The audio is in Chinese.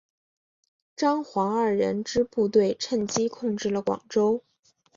张黄二人之部队趁机控制了广州。